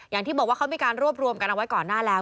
อย่างที่บอกว่าเขามีการรวบรวมกันเอาไว้ก่อนหน้าแล้ว